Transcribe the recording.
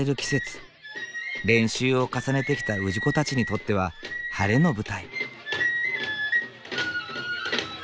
練習を重ねてきた氏子たちにとっては晴れの舞台。